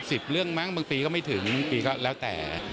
เรื่องมั้งบางปีก็ไม่ถึงบางปีก็แล้วแต่